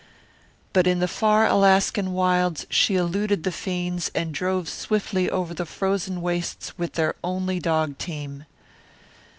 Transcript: But in the far Alaskan wilds she eluded the fiends and drove swiftly over the frozen wastes with their only dog team.